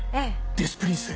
デス・プリンス！